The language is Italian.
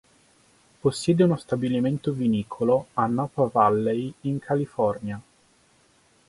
Possiede uno stabilimento vinicolo a Napa Valley in California.